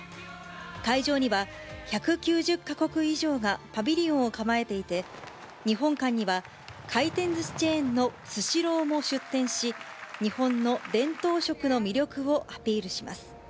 会場には１９０か国以上がパビリオンを構えていて、日本館には回転ずしチェーンのスシローも出店し、日本の伝統食の魅力をアピールします。